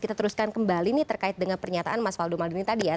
kita teruskan kembali nih terkait dengan pernyataan mas faldo maldini tadi ya